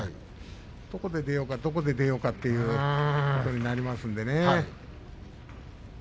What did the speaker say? どこで出ようか、どこで出ようかというふうになりますからね。